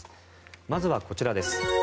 まずはこちらです。